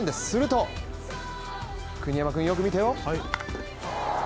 すると、国山君よく見てよ。